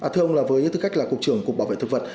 thưa ông với tư cách là cục trưởng cục bảo vệ thực vật